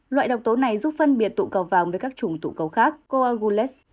loại độc tố này giúp phân biệt tụ cầu vang với các trùng tụ cầu khác coagulase